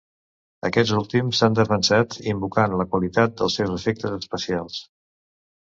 Aquests últims s'han defensat, invocant la qualitat dels seus efectes especials.